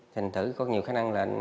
thành thử có nhiều khả năng là